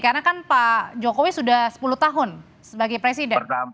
karena kan pak jokowi sudah sepuluh tahun sebagai presiden